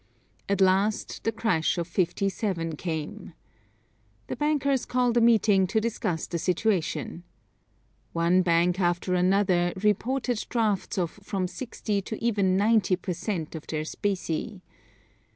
At last the crash of '57 came. The bankers called a meeting to discuss the situation. One bank after another reported drafts of from sixty to even ninety per cent. of their specie.